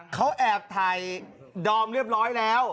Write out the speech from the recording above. เขาแอบถ่ายดอมเรียบร้อยแล้ว